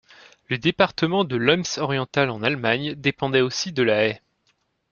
Le département de l'Ems-Oriental en Allemagne dépendait aussi de La Haye.